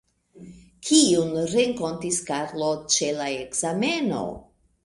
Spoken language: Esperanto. Kiun renkontis Karlo ĉe la ekzameno?